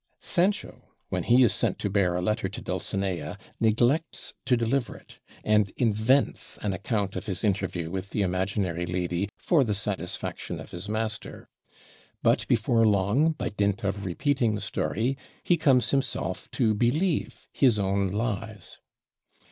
Sancho, when he is sent to bear a letter to Dulcinea, neglects to deliver it, and invents an account of his interview with the imaginary lady for the satisfaction of his master. But before long, by dint of repeating the story, he comes himself to believe his own lies.